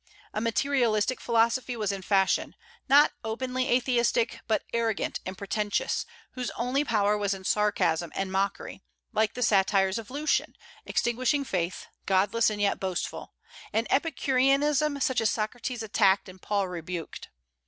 A materialistic philosophy was in fashion, not openly atheistic, but arrogant and pretentious, whose only power was in sarcasm and mockery, like the satires of Lucian, extinguishing faith, godless and yet boastful, an Epicureanism such as Socrates attacked and Paul rebuked.